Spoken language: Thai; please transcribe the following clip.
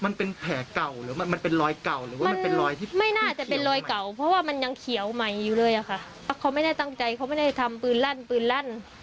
เดี๋ยวจริงเราเป็นพี่เชื่อไหมว่า